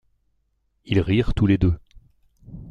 Ils rirent tous les deux.